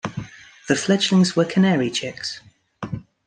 The fledglings were canary chicks.